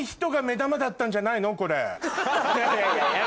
これ。